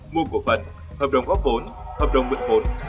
mua cổ phần hợp đồng góp vốn hợp đồng mượn vốn